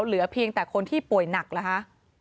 เหลือเพียงแต่คนที่ป่วยหนักเหรอคะ